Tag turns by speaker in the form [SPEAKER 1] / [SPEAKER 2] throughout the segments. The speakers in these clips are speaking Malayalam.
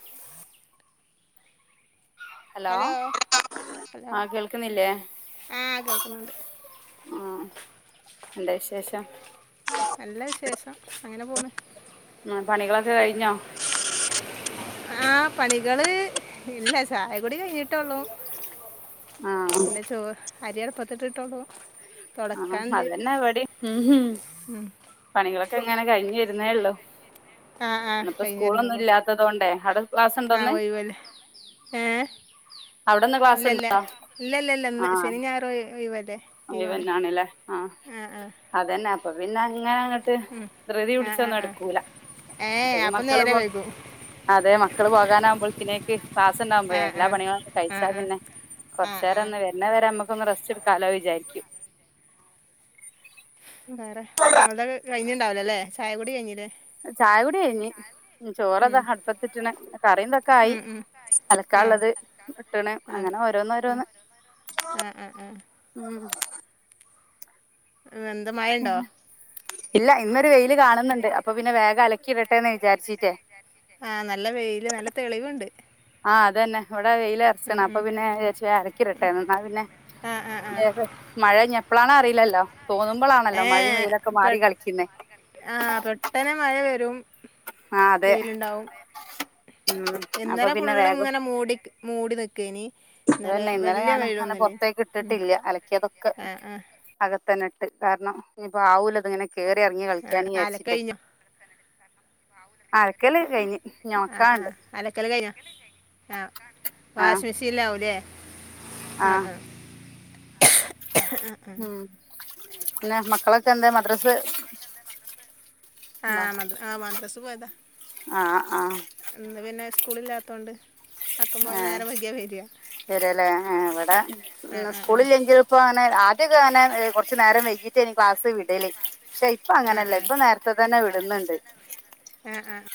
[SPEAKER 1] [inaudible]
[SPEAKER 2] ഹലോ
[SPEAKER 1] ഹലോ
[SPEAKER 2] ആഹ് കേൾക്കുന്നില്ലെ?
[SPEAKER 1] ആഹ് കേൾക്കുന്നുണ്ട്
[SPEAKER 2] ആഹ് എന്താ വിശേഷം
[SPEAKER 1] നല്ല വിശേഷം അങ്ങനെപോണ്
[SPEAKER 2] ഉം പണികളൊക്കെ കഴിഞൊ?
[SPEAKER 1] ആഹ് പണികള് ഇല്ല ചായകുടി കഴിഞ്ഞിട്ടെള്ളൂ
[SPEAKER 2] ആ
[SPEAKER 1] പിന്നെ ചോ അരി അട്പ്പെത്ത്ട്ട്ട്ടൊള്ളൂ
[SPEAKER 2] ആഹ് അതന്നെ ഇവെടിം ഉംഹ് പണികളൊക്കെങ്ങനെ കഴിഞ്ഞ് വെരെന്നേള്ളൂ
[SPEAKER 1] ആഹ് ആഹ്
[SPEAKER 2] ഇന്ന്പ്പൊ
[SPEAKER 1] കഴിഞ്ഞ്
[SPEAKER 2] സ്കൂളൊന്നും
[SPEAKER 1] വരണുള്ളൂ
[SPEAKER 2] ഇല്ലാത്തതൊണ്ടെ ആടെ
[SPEAKER 1] ആഹ്
[SPEAKER 2] ക്ലാസ്സ്‌ണ്ടോന്ന്?
[SPEAKER 1] ഒഴിവല്ലേ ഏഹ് ഇല്ലല്ല
[SPEAKER 2] ഉണ്ടോ
[SPEAKER 1] ഇല്ലല്ല ഇല്ല ഇന്ന് ശെനി ഞായറും ഒയി ഒയിവെല്ലേ?
[SPEAKER 2] ഒഴിവെന്നാണ്ലേ ആഹ് അതന്നെ അപ്പൊ പിന്നെ അങ്ങനഅങ്ങ് ട്ട് ധൃതി
[SPEAKER 1] ആഹ് ആഹ്
[SPEAKER 2] പിടിച്ചൊന്നും
[SPEAKER 1] ആഹ്
[SPEAKER 2] എടക്കൂല
[SPEAKER 1] ഏഹ്
[SPEAKER 2] അല്ലെങ്കി
[SPEAKER 1] അപ്പം
[SPEAKER 2] മക്കള്
[SPEAKER 1] നേരം
[SPEAKER 2] പോ
[SPEAKER 1] വൈകും
[SPEAKER 2] അതെ മക്കള് പോകാനാകുമ്പോഴത്തിനേക്ക് ക്ലാസ്സ്‌ണ്ടാവുമ്പഴേ
[SPEAKER 1] ആഹ്
[SPEAKER 2] എല്ലാ
[SPEAKER 1] ആഹ്
[SPEAKER 2] പണികളുവാണ്ട്
[SPEAKER 1] ആഹ്
[SPEAKER 2] കഴിച്ചാ
[SPEAKER 1] ആഹ്
[SPEAKER 2] പിന്നെ
[SPEAKER 1] ആഹ് ആഹ്
[SPEAKER 2] കൊർച്ചേരൊന്ന് വെര്ണവരെ നമ്മക്കൊന്ന് റസ്റ്റെടുക്കാലോ വിചാരിക്കും
[SPEAKER 1] വേറെ ഇങ്ങൾതൊക്കെ കഴിഞ്ണ്ടാവൂലലെ ചായകുടി കഴിഞ്ഞിലെ?
[SPEAKER 2] ചായ കൂടി കഴിഞ് ചോറ്
[SPEAKER 1] ഉം
[SPEAKER 2] അതാ അടുപ്പത്തിട്ടിണ് കറിയെന്ത ഒക്കായി
[SPEAKER 1] ഉം ഉം
[SPEAKER 2] അലക്കാ
[SPEAKER 1] ആഹ്
[SPEAKER 2] ഉള്ളത് ഇട്ടണ്
[SPEAKER 1] ആഹ്
[SPEAKER 2] അങ്ങനെ ഓരോന്ന് ഓരോന്ന്.
[SPEAKER 1] ആഹ് ആഹ് ആഹ്.
[SPEAKER 2] ഉം.
[SPEAKER 1] മ് എന്താ മഴയുണ്ടോ?
[SPEAKER 2] ഇല്ല ഇന്നൊരു വെയില് കാണുന്നുണ്ട് അപ്പൊ പിന്നെ വേഗം അലക്കിയിടട്ടെന്ന് വിചാരിച്ചിട്ടേ.
[SPEAKER 1] ആഹ് നല്ല വെയില് നല്ല തെളിവുണ്ട്.
[SPEAKER 2] ആഹ് അതന്നെ ഇവിടെ വെയിൽ ഇറച്ചണ് അപ്പൊ പിന്നെ ഞാൻ വിചാരിച്ച് പോയി അലക്കിടട്ടെന്ന് എന്നാ പിന്നെ.
[SPEAKER 1] ആഹ് ആഹ് ആഹ്
[SPEAKER 2] ഏഹ് മഴ ഇനിപ്പളാണോ അറിയില്ലല്ലോ തോന്നുമ്പോളാണല്ലോ മഴയും
[SPEAKER 1] ഏഹ്
[SPEAKER 2] വെയിലൊക്കെ
[SPEAKER 1] പെ
[SPEAKER 2] മാറി കളിക്കുന്നേ.
[SPEAKER 1] ആഹ് പെട്ടനെ മഴ വരും
[SPEAKER 2] ആഹ് അതെ
[SPEAKER 1] വെയിലുണ്ടാവും.
[SPEAKER 2] ഉം അപ്പൊ
[SPEAKER 1] ഇന്നലെ
[SPEAKER 2] പിന്നെ
[SPEAKER 1] ഫുൾ
[SPEAKER 2] വേഗം
[SPEAKER 1] ഇങ്ങനെ മൂടിക്ക് മൂടി നിക്കൂ ആയിനി.
[SPEAKER 2] അതന്നെ ഇന്നലെ ഞാൻ അല പൊറത്തേക്ക്
[SPEAKER 1] ഉം
[SPEAKER 2] ഇട്ടിട്ടില്ല അലക്കിയ തൊക്കെ.
[SPEAKER 1] ആഹ് ആഹ്
[SPEAKER 2] അകത്തന്നെ ഇട്ട് കാരണം ഇനിപ്പം ആവുല്ലേ ഇങ്ങനെ കേറി ഇറങ്ങി
[SPEAKER 1] ആഹ്
[SPEAKER 2] കളിക്കാനി ചാരിച്ചിട്ടേ.
[SPEAKER 1] അലക്കഴിഞ്ഞോ
[SPEAKER 2] അലക്കല് ഒക്കെ കഴിഞ്ഞ്. ഇനി
[SPEAKER 1] ആഹ്
[SPEAKER 2] ഒണക്കാണ്ട്
[SPEAKER 1] ആഹ് അലക്കൽ കഴിഞ്ഞോ ആഹ് വാഷിമെഷിനിലാവൂല്ലേ?
[SPEAKER 2] ആഹ് മ്. പിന്നെ മക്കളൊക്കെ എന്താ മദ്രസ്.
[SPEAKER 1] ആഹ് മ ആഹ് മദ്രസ് പോയതാ.
[SPEAKER 2] ആഹ് ആഹ്.
[SPEAKER 1] ഇന്ന് പിന്നെ സ്കൂളില്ലാത്തോണ്ട് ആക്കമ്പോലെ നേരം വെകിയാ വര്യാ.
[SPEAKER 2] വര്യാല്ലേ ആഹ് ഇവിടെ ഇന്ന്
[SPEAKER 1] ആ ആ
[SPEAKER 2] സ്കൂളില്ലെങ്കിലും ഇപ്പോ അങ്ങനെ ആദ്യൊക്കെ അങ്ങെ കൊറച്ച് നേരം വൈകി റ്റേനി ക്ലാസ് വിടല് പക്ഷെ ഇപ്പ അങ്ങനെയല്ല ഇപ്പ നേരത്തെ തന്നെ വിടുന്നുണ്ട്.
[SPEAKER 1] ആഹ് ആഹ്.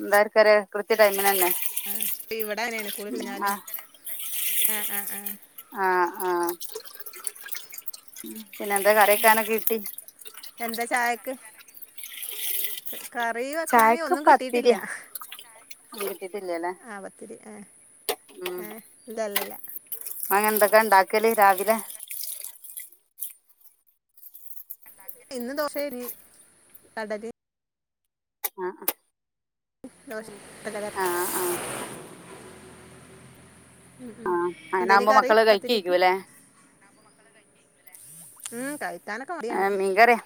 [SPEAKER 2] എന്താര്ത്തരെ കൃത്യ ടൈമിന് തന്നെ.
[SPEAKER 1] ആഹ് ഇവിടെ അങ്ങനെയാണ് കുളി
[SPEAKER 2] ആ
[SPEAKER 1] കഴിഞ്ഞാല് ആഹ് ആഹ് ആഹ്.
[SPEAKER 2] ആഹ് ആഹ് പിന്നെ എന്താ കറിവയ്നൊക്കെ കിട്ടി?
[SPEAKER 1] എന്താ ചായക്ക്? കറി വെക്കാന്
[SPEAKER 2] ചായക്ക്
[SPEAKER 1] ഒന്നും
[SPEAKER 2] പത്തിരിയാ
[SPEAKER 1] കിട്ടീട്ടില്ലാ. പത്തിരി
[SPEAKER 2] കിട്ടിട്ടില്ലല്ലേ
[SPEAKER 1] ആഹ് പത്തിരി ആഹ്, ഏഹ് ഇല്ലല്ലല്ലാ.
[SPEAKER 2] അയിന് എന്തൊക്കെ ഉണ്ടാക്കല് രാവിലെ?
[SPEAKER 1] ഇന്ന് ദോശേ ഇഡ്ലീം കടലേ.
[SPEAKER 2] ആഹ്.
[SPEAKER 1] ദേശേ
[SPEAKER 2] ആ ആ
[SPEAKER 1] ഉം ഉം.
[SPEAKER 2] അങ്ങനെ
[SPEAKER 1] എന്തേനു
[SPEAKER 2] ആകുമ്പോ
[SPEAKER 1] കറി
[SPEAKER 2] മക്കള് കഴിക്കും
[SPEAKER 1] പത്തിരീക്ക്
[SPEAKER 2] അല്ലേ
[SPEAKER 1] ഉം കഴിക്കാനോക്കെ.
[SPEAKER 2] ആഹ് മീകറിയാ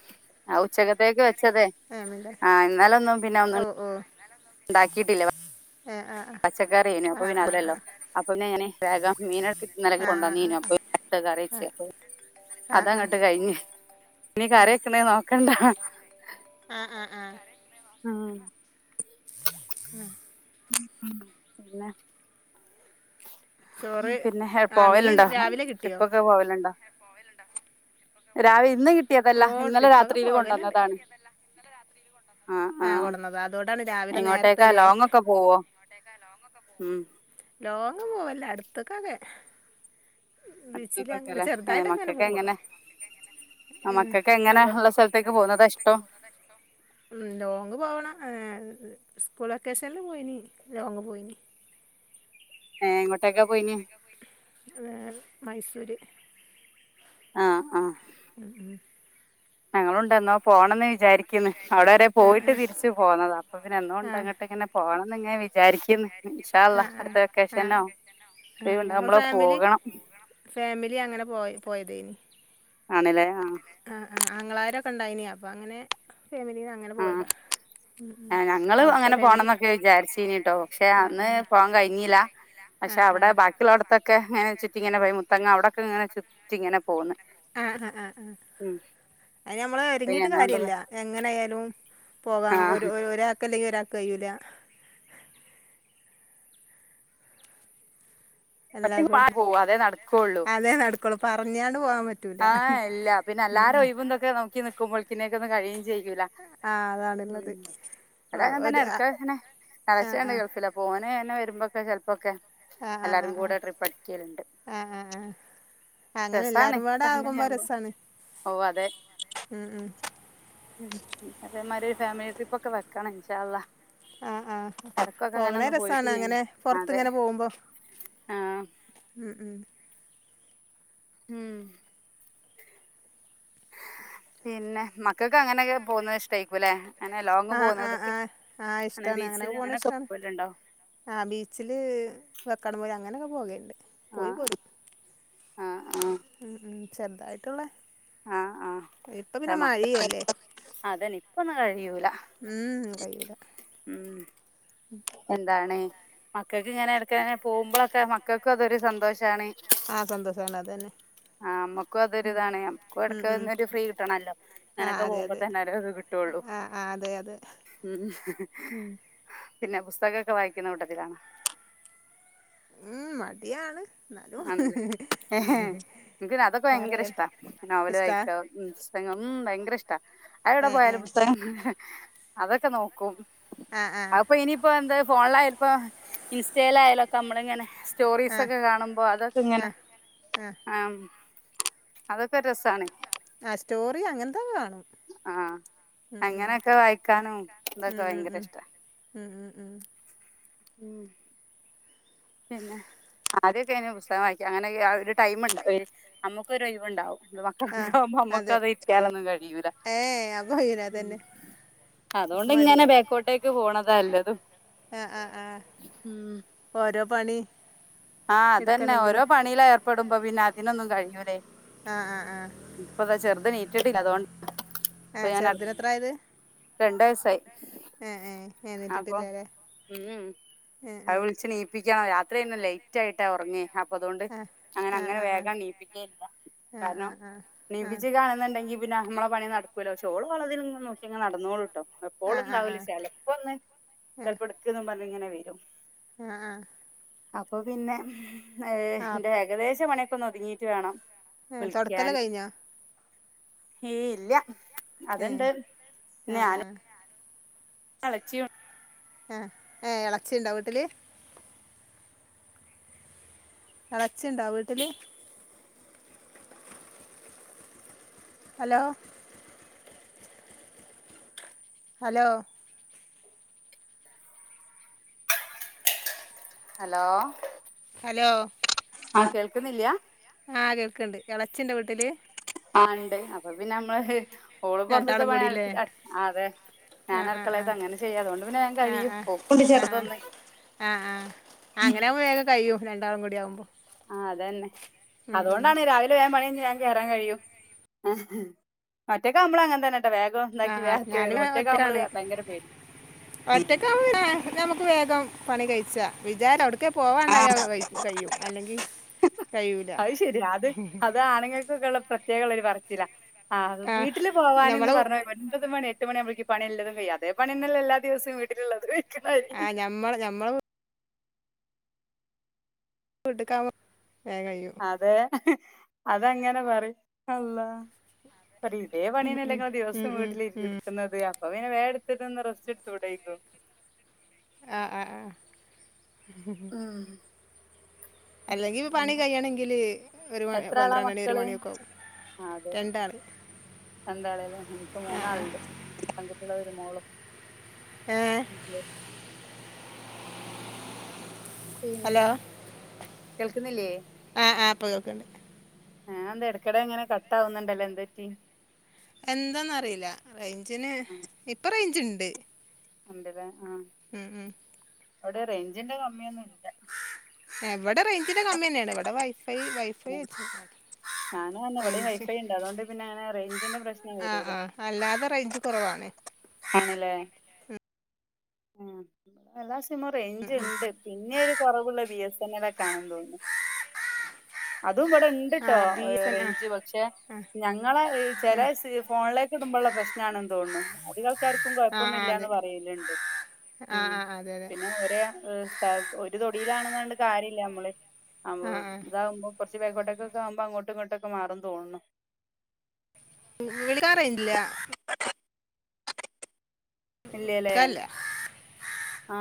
[SPEAKER 2] ആഹ് ഉച്ചയ്ക്ക ത്തേക്ക് വെച്ചതെ
[SPEAKER 1] ആണല്ലേ
[SPEAKER 2] ആഹ് ഇന്നലെ ഒന്നും പിന്നെ
[SPEAKER 1] ഓ
[SPEAKER 2] ഒന്നും ഉണ്ടാക്കിട്ടില്ല.
[SPEAKER 1] ഏഹ് ആഹ്.
[SPEAKER 2] പച്ചക്കറിയേനു അപ്പൊ പിന്നെ അല്ലല്ലോ. അപ്പൊ പിന്നെ ഇങ്ങനെ വേഗം മീന് ഇന്നലെക്ക്
[SPEAKER 1] ആ ആ ആ
[SPEAKER 2] കൊണ്ടോന്നീന് അപ്പൊട്ത്ത് കറിവെച്ച്.
[SPEAKER 1] ആ
[SPEAKER 2] അതങ്ങട്ട് കയിഞ്ഞ് ഇനി കറി വയ്ക്ക്ണത് നോക്കണ്ടാ.
[SPEAKER 1] ആഹ് ആഹ് ആഹ്.
[SPEAKER 2] ആഹ്.
[SPEAKER 1] ഉം.
[SPEAKER 2] ഉം ഉം പിന്നെ.
[SPEAKER 1] ചോറ്
[SPEAKER 2] പിന്നെ ഹെ
[SPEAKER 1] ആ
[SPEAKER 2] പോവല്
[SPEAKER 1] മീൻ
[SPEAKER 2] ഉണ്ടോ
[SPEAKER 1] രാവിലെ കിട്ടിയോ
[SPEAKER 2] ട്രിപ്പൊക്കെ പോവല് ഇണ്ടോ? രാവി ഇന്ന് കിട്ടിയതല്ല
[SPEAKER 1] ഓ
[SPEAKER 2] ഇന്നലെ രാത്രീല് കൊണ്ട് വന്നതാണ്.
[SPEAKER 1] ഇന്നലെ രാത്രി. ആഹ് കൊടന്നതാ അതോട്ടാണ് രാവിലെ
[SPEAKER 2] എങ്ങോട്ടേക്കാ
[SPEAKER 1] നേരത്തെല്ലേ ഹ്,
[SPEAKER 2] ലോങ് ഒക്കെ പോവോ
[SPEAKER 1] ലോങ്ങൊക്കെ പോവോ.
[SPEAKER 2] ഉം
[SPEAKER 1] ലോങ്ങ് പോവല്ലാ അട്ത്ത്കൊക്കേ.
[SPEAKER 2] അട്ത്ത്കൊക്കെല്ലെ ഏഹ്
[SPEAKER 1] ചെറുതായിട്ടങ്ങനെ പോവുള്ളു
[SPEAKER 2] മക്കക്കെങ്ങനെ ആ
[SPEAKER 1] ഉം
[SPEAKER 2] മക്കക്ക് എങ്ങനെ
[SPEAKER 1] അലോ
[SPEAKER 2] ഉള്ള സ്ഥല് ത്തേക്ക് പോവുന്നതാ ഇഷ്ടോം.
[SPEAKER 1] ഉം ലോങ് പോവണം ഏഹ് സ്കൂൾ വൊക്കേഷൻല് പോയിനി ലോങ്ങ് പോയിനി.
[SPEAKER 2] ഏഹ് എങ്ങോട്ടൊക്കെ പോയിനെ.
[SPEAKER 1] [unintelligible] മൈസൂര്
[SPEAKER 2] ആഹ് ആഹ്.
[SPEAKER 1] ഉം ഉം.
[SPEAKER 2] ഞങ്ങളുണ്ടന്നാ. പോണെന്ന് വിചാരിക്ക്ന്ന് അവിടെ വരെ പോയിട്ട് തിരിച്ച് പോന്നതാ അപ്പൊ പിന്നെ എന്നോണ്ട് അങ്ങട്ട് ഇങ്ങനെ. പോണന്നങ്ങനെ വിചാരിക്ക്ന്ന്.
[SPEAKER 1] ഇൻഷാ
[SPEAKER 2] ഇൻഷാഅള്ളാഹ് അട്ത്ത
[SPEAKER 1] അള്ളാ
[SPEAKER 2] വെക്കേഷനോ
[SPEAKER 1] ആഹ് ഞങ്ങൾ
[SPEAKER 2] ഒയിവ്ണ്ടാവുമ്പളോ
[SPEAKER 1] ഫാമിലി
[SPEAKER 2] പോകണം.
[SPEAKER 1] ഫാമിലി അങ്ങനെ പോയ പോയതേനി.
[SPEAKER 2] ആണ്ലേ ആഹ്.
[SPEAKER 1] ആഹ് ആഹ് ആങ്ങളാരൊക്കെണ്ടായിനി അപ്പ അങ്ങനെ ഫാമിലീന്ന് അങ്ങനെ പോയതാ. ഉം ഉം
[SPEAKER 2] ആഹ് ഞങ്ങളും
[SPEAKER 1] അവിടുത്തെ
[SPEAKER 2] അങ്ങനെ
[SPEAKER 1] ഫാമിലി
[SPEAKER 2] പോണംന്നൊക്കെ വിചാരിച്ചീനിട്ടോ പക്ഷെ
[SPEAKER 1] ആഹ്
[SPEAKER 2] അന്ന് പോവാൻ കയിഞ്ഞില്ലാ.
[SPEAKER 1] ആഹ്
[SPEAKER 2] പഷെ
[SPEAKER 1] ആഹ്
[SPEAKER 2] അവിടെ
[SPEAKER 1] ആഹ്
[SPEAKER 2] ബാക്കിള്ളോട്ത്തൊക്കെ ഇങ്ങനെ ചുറ്റി ഇങ്ങനെ പോയി മുത്തങ്ങ അവിടൊക്കെ ഇങ്ങനെ ചുറ്റി ഇങ്ങനെ പോന്ന്.
[SPEAKER 1] ആഹ് ആഹ് ആഹ്.
[SPEAKER 2] ഉം.
[SPEAKER 1] അയ്ന് നമ്മള് ഒരുങ്ങിയിട്ട് കാര്യല്ല എങ്ങനായാലും
[SPEAKER 2] ആ
[SPEAKER 1] പോകാം ഒരു ഒരാക്കല്ലെങ്കി ഒരാ കയ്യൂല എല്ലാകൂടെ
[SPEAKER 2] ഒറ്റയ്ക്ക് പോവാ അതേ നടക്കുള്ളൂ
[SPEAKER 1] അതെ നടക്കോളൂ പറഞ്ഞാണ്ട് പോവാംപറ്റ്
[SPEAKER 2] ആഹ് എല്ല പിന്നെല്ലാരൊയ്വും തൊക്കെനോക്കി നിക്കുമ്പോൾക്കിനെക്കൊന്നും കഴിയും ചെയ്യൂല
[SPEAKER 1] ആഹ്
[SPEAKER 2] ഉം
[SPEAKER 1] അതാണ്ള്ളത്
[SPEAKER 2] അതങ്ങൻതന്നെ
[SPEAKER 1] ഒരു ആഹ്
[SPEAKER 2] എടുക്കാങ്ങനെ
[SPEAKER 1] ആഹ്
[SPEAKER 2] എളച്ചണ്ട് ഗൾഫില് അപ് ഓന്ങ്ങനെ വരുമ്പൊക്കെ ചെലപ്പൊക്കെ
[SPEAKER 1] ആഹ് ആഹ് ആഹ് ആഹ് ആഹ് ആഹ് ആഹ് അഹ് അങ്ങനെ
[SPEAKER 2] രസാണ്
[SPEAKER 1] എല്ലാവാരും പാ
[SPEAKER 2] ഫാമിലി
[SPEAKER 1] ടാകുമ്പൊ
[SPEAKER 2] ആവുമ്പോ
[SPEAKER 1] രസാണ്
[SPEAKER 2] ഓ അതെ
[SPEAKER 1] ഉം ഉം
[SPEAKER 2] ഉം അതേമാതിരൊരു ഫാമിലി ട്രിപ്പൊക്കെ വെക്കണം ഇൻഷാ അള്ളാ
[SPEAKER 1] ആഹ് ആഹ്
[SPEAKER 2] എടക്കൊക്കെ അങ്ങനെ
[SPEAKER 1] പോകണേ
[SPEAKER 2] ഒന്നും
[SPEAKER 1] രസാണ്
[SPEAKER 2] പോയിട്ടില്ലേനി
[SPEAKER 1] അങ്ങനെ
[SPEAKER 2] അതെ
[SPEAKER 1] പൊറത്ത്ങ്ങനെ പോകുമ്പോ
[SPEAKER 2] ആഹ്
[SPEAKER 1] ഉം ഉം
[SPEAKER 2] ഉം പിന്നെ മക്കക്കങ്ങനൊക്കെ പോവുന്നത് ഇഷ്ടായിക്കൂല്ലെ അങ്ങനെ ലോങ്
[SPEAKER 1] ആഹ് ആഹ്
[SPEAKER 2] പോകുന്നതൊക്കെ
[SPEAKER 1] ആഹ് ആഹ്
[SPEAKER 2] അങ്ങനെ
[SPEAKER 1] ഇഷ്ടാണ്
[SPEAKER 2] ബീച്ചില്
[SPEAKER 1] പോണ
[SPEAKER 2] അങ്ങനൊക്കെ
[SPEAKER 1] ഇഷ്ടാണ്
[SPEAKER 2] പോല്ണ്ടോ
[SPEAKER 1] ആഹ് ബീച്ച്ല് കക്കാടം പൊയ് അങ്ങനൊക്കെ പോകേണ്ട് പോയി
[SPEAKER 2] ആഹ്
[SPEAKER 1] പോരും
[SPEAKER 2] ആഹ് ആഹ്
[SPEAKER 1] ഉം ഉം ചെറുതായിട്ടുള്ള
[SPEAKER 2] ആഹ്
[SPEAKER 1] ഇപ്പൊ പിന്നെ
[SPEAKER 2] ആഹ്
[SPEAKER 1] മഴയല്ലേ
[SPEAKER 2] [unintelligible] അതന്നെപ്പൊന്നും കഴിയൂല
[SPEAKER 1] ഉം കഴിയൂല
[SPEAKER 2] ഉം എന്താണ് മക്കക്ക്ങ്ങനെ എടക്കങ്ങനെ പോകുമ്പളൊക്കെ മക്കക്കൊര് സന്തോഷാണ്
[SPEAKER 1] ആഹ് സന്തോസാണ് അതെന്നെ
[SPEAKER 2] ആഹ് നമ്മക്കും അതൊരിതാണ് നമ്മക്കും
[SPEAKER 1] ഉം
[SPEAKER 2] ഇടക്ക്
[SPEAKER 1] ഉം
[SPEAKER 2] ഒന്നൊരു ഫ്രീ കിട്ടണല്ലോ
[SPEAKER 1] ആഹ്
[SPEAKER 2] ങ്ങനൊക്കെ
[SPEAKER 1] അതെ
[SPEAKER 2] പോകുമ്പോ
[SPEAKER 1] അതെ
[SPEAKER 2] തന്നെ ഓരോ ത് കിട്ടൊള്ളൂ
[SPEAKER 1] ആഹ് ആഹ് അതെ അതെ
[SPEAKER 2] ഉം
[SPEAKER 1] ഉം
[SPEAKER 2] പിന്നെ പുസ്തകൊക്കെ വായിക്കിണ കൂട്ടത്തിലാണൊ
[SPEAKER 1] ഉം മടിയാണ് എന്നാലും
[SPEAKER 2] ആണ്ലെ എഹേ എൻക്ക്ന്നെ അതൊക്കെ
[SPEAKER 1] പറയാൻ
[SPEAKER 2] ഭയങ്കരഷ്ടാ നോവല്
[SPEAKER 1] ഇഷ്ടാ
[SPEAKER 2] വായിക്ക്യാ ഉം പുസ്തകങ്ങളൊ ഉ ഭയങ്കര ഇഷ്ട അഎടെ
[SPEAKER 1] ഏഹ്
[SPEAKER 2] പോയാലും
[SPEAKER 1] ഏഹ്
[SPEAKER 2] പുസ്തകം അതൊക്കെ നോക്കും
[SPEAKER 1] ആഹ് ആഹ്
[SPEAKER 2] അഹ് ഇനിയിപ്പോ എന്ത് ഫോണിലായാലുപ്പോ ഇൻസ്റ്റയിലായാലൊക്കെ നമ്മള്ങ്ങനെ
[SPEAKER 1] ആഹ്
[SPEAKER 2] സ്റ്റോറീസ്ക്കെ കാണുമ്പോ അതൊക്കെങ്ങനെ
[SPEAKER 1] ആഹ്
[SPEAKER 2] ആഹ് അതൊക്കൊരു രസാണ്
[SPEAKER 1] ആഹ് സ്റ്റോറി അങ്ങൻത്തൊക്കെകാണും
[SPEAKER 2] ആഹ് അങ്ങനൊക്കെ വായിക്കാനും തൊക്കെ
[SPEAKER 1] ഉം ഉം ഉം
[SPEAKER 2] ഭയങ്കരഷ്ട
[SPEAKER 1] ഉം ഉം ഉം
[SPEAKER 2] ഉം പിന്നെ ആദ്യൊക്കെ ഞാന് പുസ്തകം വായിക്കാം അങ്ങനൊക്കെ ഒരു ടൈമുണ്ട വൊയ്നി ഞമ്മ പൊരൊയ് വ്ണ്ടാവുംന്ന് വാ
[SPEAKER 1] ആഹ്
[SPEAKER 2] ക്കാവുമ്പൊ
[SPEAKER 1] അതെ
[SPEAKER 2] മ്മക്കതയ്റ്റാലൊന്നും കഴിയൂല
[SPEAKER 1] ഏഹ് അപ്പൊ കയ്യൂല
[SPEAKER 2] ഉം
[SPEAKER 1] അതന്നെ അപ്പൊ
[SPEAKER 2] അതോണ്ട്ങ്ങനെ
[SPEAKER 1] മടിയാവും
[SPEAKER 2] ബേക്കോട്ടേക്ക് പോണതാ എല്ലെതും മം
[SPEAKER 1] പ്പോരോ പണി
[SPEAKER 2] ആഹ് അതന്നെ
[SPEAKER 1] എടുക്കണെങ്കില്
[SPEAKER 2] ഓരോ പണിയില് ഏർപ്പെടുമ്പോ പിന്നെ അതിനൊന്നും കഴിയൂലെ
[SPEAKER 1] ആഹ് ആഹ് ആഹ്
[SPEAKER 2] ഇപ്പതാചെർത് നീറ്റിട്ടില്ലതോണ്ട
[SPEAKER 1] ഏഹ് ചെയത് നെത്രായത്
[SPEAKER 2] രണ്ട് വയസായി
[SPEAKER 1] ഏഹ്
[SPEAKER 2] അപ്പൊ
[SPEAKER 1] എണീറ്റിട്ടില്ലല്ലേ
[SPEAKER 2] ഊംഉം
[SPEAKER 1] ഏഹ്
[SPEAKER 2] അവ്
[SPEAKER 1] ഏഹ്
[SPEAKER 2] വുൾച്ച്നീ പ്പിയ്ക്കണം രാത്രിയ്ന്നു ലേറ്റായിട്ടാ ഒറങ്യ അപ്പോപ്പി പ്പതോണ്ട്
[SPEAKER 1] ആഹ്
[SPEAKER 2] അങ്ങനെ
[SPEAKER 1] ആഹ്
[SPEAKER 2] അങ്ങനെ
[SPEAKER 1] ആഹ് ആഹ്
[SPEAKER 2] വേഗം നീപ്പിക്കേല്ല
[SPEAKER 1] ആഹ്
[SPEAKER 2] കാരണം
[SPEAKER 1] ആഹ്
[SPEAKER 2] നീപ്പിച് കാണ് ന്ന്ണ്ടെങ്കി പിന്നെ നമ്മള പണി നടക്കൂല പക്ഷോള് വളതില് നോക്കിയങ്ങനെ നടന്നോളും
[SPEAKER 1] ആഹ് ആഹ് ആഹ് ആഹ്
[SPEAKER 2] എപ്പോളുണ്ടാവുല
[SPEAKER 1] ആഹ്
[SPEAKER 2] ചെലപ്പോന്ന് ചെൽപ്പൊട്ക്ക്ന്ന് പറഞ്ങ്ങനെ വരും ട്ടൊ
[SPEAKER 1] ആഹ്ആഹ്
[SPEAKER 2] അപ്പൊപ്പിന്നെ ഏഹ്
[SPEAKER 1] ആഹ്
[SPEAKER 2] എന്റെ
[SPEAKER 1] ആഹ്
[SPEAKER 2] ഏകദേശ പണിയൊക്കെ ഒന്നൊതുങ്ങിട്ട് വേണം
[SPEAKER 1] ഏഹ് തൊടക്കല്
[SPEAKER 2] വിളിക്കാന്
[SPEAKER 1] കഴിഞ്ഞോ
[SPEAKER 2] ഏയില്ല
[SPEAKER 1] ഏഹ്
[SPEAKER 2] അതണ്ട് പിന്നെ
[SPEAKER 1] ആഹ്
[SPEAKER 2] ഞാനും
[SPEAKER 1] ആഹ്
[SPEAKER 2] എളച്ചിയും
[SPEAKER 1] ആഹ് ഏഹ് ഇളച്ചിണ്ടോ വീട്ടില് എളച്ചിണ്ടാവ വീട്ടില് ഹലോ ഹലോ
[SPEAKER 2] ഹലോ
[SPEAKER 1] ഹലോ
[SPEAKER 2] ആഹ് കേൾക്കുന്നില്ല
[SPEAKER 1] ആഹ് കേൾക്കണ്ട് ഇളച്ചി്ണ്ടാ വീട്ടില്
[SPEAKER 2] ആഹ് ഇണ്ട് അപ്പൊ പിന്നെ നമ്മള് ഓള് പൊറത്തത്തെ
[SPEAKER 1] രണ്ടാളും കൂടില്ലേ
[SPEAKER 2] പണിയെടുത്തിട്ടു അഹ് അതെ
[SPEAKER 1] ആഹ് ആഹ്
[SPEAKER 2] ഞാനടുക്കളത്തെ അങ്ങനെ ചെയ്യ അതുകൊണ്ട് പിന്നെ വേം
[SPEAKER 1] ആഹ്
[SPEAKER 2] കയ്യ്യും
[SPEAKER 1] ആഹ്
[SPEAKER 2] ഓക്കുണ്ട്
[SPEAKER 1] ആഹ് ആഹ് ആഹ്
[SPEAKER 2] ചെറുതൊന്നു
[SPEAKER 1] ആഹ് ആഹ് അങ്ങനെയാകുമ്പോ വേഗം കഴിയും രണ്ടാളും കൂടി ആവുമ്പോ
[SPEAKER 2] ആഹ് അതന്നെ
[SPEAKER 1] ഉം ഉം
[SPEAKER 2] അതുകൊണ്ടാണ് രാവി പണി കയിഞ്ഞു വേം കേയറാൻ കഴിയും ഒറ്റക്കാകുമ്പോളങ്ങനെതന്നെ വേഗം ഉണ്ടാക്കി
[SPEAKER 1] ആഹ് ആഹ്
[SPEAKER 2] വേഗം
[SPEAKER 1] ഞാന്
[SPEAKER 2] കേറും ഒറ്റക്കാകുമ്പോള്
[SPEAKER 1] ഒറ്റക്കാണ്
[SPEAKER 2] ഭയങ്കര പേടി മ്മ്
[SPEAKER 1] നമുക്ക് വേഗം പണി കയിച്ച വിചാര എവിടക്കെ പോവാണ്ടായക്കെ കയ് കയ്യും അല്ലെങ്കി കയ്യൂല [unintelligible]
[SPEAKER 2] ഇതാണുങ്ങൾക്കൊക്കെയുള്ള പ്രത്യേകംള്ളൊരു പറിച്ചില
[SPEAKER 1] ആ
[SPEAKER 2] വീട്ടില് പോവാനന്ന്
[SPEAKER 1] നമ്മളെ വീ-
[SPEAKER 2] പറഞെരുത് ഒൻപത് മണി എട്ട് മണിയാമ്പഴേക്ക് പണിയല്ലതും കയും അതേ പണിന്നല്ലേ എല്ലാ ദിവസം വീട്ടിലള്ളത്
[SPEAKER 1] ആഹ് ഞമ്മള് ഞമ്മള ടുക്കാമ്പോ വേം കഴിയും
[SPEAKER 2] അതെ അതങ്ങനെ പറിം അള്ളാ പറിം ഇതേ പണീനല്ലെങ്ങോ ദിവസം വീട്ടിൽ എടുക്കുന്നത് അപ്പൊ പിനെ വേറെ എടുത്തിട്ട്ന്ന് റസ്റ്റ് എടുത്തേടേക്കോ
[SPEAKER 1] ആഹ് ആഹ് ആഹ് [unintelligible]
[SPEAKER 2] ഉം
[SPEAKER 1] അല്ലെങ്കില് പണി
[SPEAKER 2] പിന്നെ
[SPEAKER 1] കയ്യണെങ്കില് ഒരു മി
[SPEAKER 2] എത്ര ആളാ
[SPEAKER 1] പന്ത്രണ്ടണി ഒരു
[SPEAKER 2] മക്കള്
[SPEAKER 1] മണിയൊക്കെ ആകും രണ്ടാള്
[SPEAKER 2] രണ്ടാളല്ലേ എനിക്ക്
[SPEAKER 1] ആ ആ
[SPEAKER 2] മൂന്നാളുണ്ട് രണ്ടാൺകുട്ടികളും ഒരു മോളും
[SPEAKER 1] ആഹ്
[SPEAKER 2] [unintelligible] പിന്ന
[SPEAKER 1] ഹലോ
[SPEAKER 2] കേൾക്കുന്നില്ലേ
[SPEAKER 1] ആഹ് ആഹ് ഇപ്പോ കേക്കുണ്ട്
[SPEAKER 2] ആഹ് എന്താ ഇടക്കിടെ അങ്ങനെ കട്ടാവുന്നുണ്ടല്ലോ എന്ത് പറ്റി
[SPEAKER 1] എന്താന്നറിയില്ല റേഞ്ചിന് ഇപ്പ റേഞ്ചിണ്ട്‌
[SPEAKER 2] ഉണ്ടല്ലേ ആ
[SPEAKER 1] ഉം ഉം
[SPEAKER 2] അവിടെ റേഞ്ചിന്റെ കമ്മിയൊന്നുല്ല
[SPEAKER 1] എവിടെ റേഞ്ചിന്റെ കമ്മിയന്നെയാണ് ഇവിടെ വൈഫൈ വൈഫൈ വെച്ച
[SPEAKER 2] ഞാനന്നെവിടെയും വൈഫൈ ഉണ്ട് അത്കൊണ്ട് പിന്നെ അങ്ങനെ റേഞ്ചിന്റെ പ്രശ്നം
[SPEAKER 1] ആ
[SPEAKER 2] വരൂല
[SPEAKER 1] ആ അല്ലാതെ റേഞ്ച് കുറവാന്നേ
[SPEAKER 2] ആണല്ലേ ആ എല്ലാ സിമ്മും റേഞ്ച് ഇണ്ട് പിന്നെ ഒരു കുറവുള്ളത് ബി എസ് എൻ എൽ ഒക്കെ ആണെന്ന് തോന്നുന്നു അതും ഇവിടെണ്ട്
[SPEAKER 1] ആ
[SPEAKER 2] ണ്ട്ട്ടോ
[SPEAKER 1] ബി എസ് എൻ
[SPEAKER 2] റേഞ്ച്
[SPEAKER 1] ആ
[SPEAKER 2] പക്ഷെ ഞങ്ങളെ ചില ഫോണിലെ കേക്കുമ്പോളിള്ള പ്രശ്നാണെന്ന് തോന്നുന്നു അധികാൾക്കാർക്കും ക്കും
[SPEAKER 1] ആ ആ
[SPEAKER 2] കൊയപ്പൊന്നുമില്ലാന്ന്
[SPEAKER 1] അതെ
[SPEAKER 2] പറയലുണ്ട് ഉ
[SPEAKER 1] ആ ആ അതെ അതെ
[SPEAKER 2] പിന്നെ ഒരേ ഒരു തൊടിയിലാണെന്നണ്ട് കാര്യമില്ലമ്മള്
[SPEAKER 1] ആ ആ
[SPEAKER 2] ഇതാകുമ്പോ കുറച്ച് ബേക്കോട്ടക്കെയാകുംമ്പോ അങ്ങോടട്ടിങ്ങോട്ടൊക്ക മാറുമെന്നു തോന്നുന്നു
[SPEAKER 1] വിളിക്കാൻ റേഞ്ചില്ല
[SPEAKER 2] ഇല്ലല്ലേ
[SPEAKER 1] ക്കല്ല
[SPEAKER 2] ആ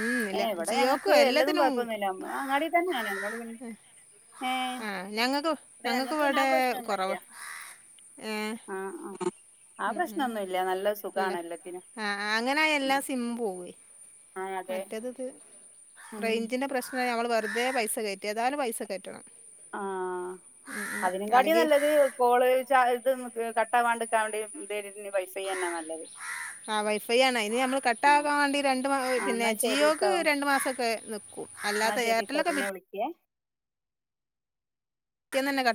[SPEAKER 1] ഉം
[SPEAKER 2] ഏ
[SPEAKER 1] ഇല്ല
[SPEAKER 2] ഇവിടെ
[SPEAKER 1] ജിയോക്കും
[SPEAKER 2] ഞങ്ങൾക്ക് എല്ലതും
[SPEAKER 1] എല്ലാത്തിനും
[SPEAKER 2] കൊഴപ്പൊന്നുമല്ല അങ്ങാടി തന്നെയാണ് അതൊണ്ട് പിന്നെ ഏഹ്
[SPEAKER 1] ആഹ ഞങ്ങക്ക് ഞങ്ങൾക്ക്
[SPEAKER 2] ഞങ്ങക്ക് പിന്നെ ആ
[SPEAKER 1] ഇവിടെ
[SPEAKER 2] പ്രശ്നൊന്നുല്ല
[SPEAKER 1] കൊറവാ ഏഹ്
[SPEAKER 2] ആഹ് ആഹ് ആ പ്രശ്നംന്നു ല്ല നല്ല സുഖണല്ല
[SPEAKER 1] ആഹ അങ്ങന ആ യഎല്ലാ സിമ്മും പോവോയ്‌
[SPEAKER 2] ആഹ് അതെ
[SPEAKER 1] മറ്റേത് ഇത്
[SPEAKER 2] ഉം
[SPEAKER 1] റേഞ്ചിന്റെ പ്രശ്ന എന്ന നമ്മൾ വെറുതെ പൈസ കയറ്റ ഏതായാലും പൈസ കേറ്റണം
[SPEAKER 2] ആ
[SPEAKER 1] അല്ലെങ്കിൽ
[SPEAKER 2] അതിനകാട്ടിനല്ലത് കോള് ച ഇത് കട്ടാവാണ്ടിക്കാൻ വേണ്ട ദരി വൈഫൈ തന്നാ നല്ലത്
[SPEAKER 1] ആ വൈഫൈ ആണ് അയിനമ്മൾ
[SPEAKER 2] ആഹ്
[SPEAKER 1] കട്ടകാണ്ട് രണ്ട്
[SPEAKER 2] ആഹ്
[SPEAKER 1] പിന്നെ
[SPEAKER 2] എന്നാ
[SPEAKER 1] ജിയോക്ക്
[SPEAKER 2] ശരിട്ടോ
[SPEAKER 1] രണ്ടു മാസൊക്കെ നിക്ക് ക്കും
[SPEAKER 2] എന്നാ
[SPEAKER 1] അല്ലാത്ത
[SPEAKER 2] ശരിട്ടോ
[SPEAKER 1] ഏർട്ടലൊക്കെ
[SPEAKER 2] [unintelligible]
[SPEAKER 1] ക്ക്നന്നേ കാ